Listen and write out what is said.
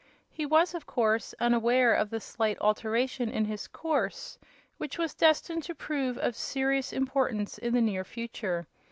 He was, of course, unaware of the slight alteration in his course, which was destined to prove of serious importance in the near future.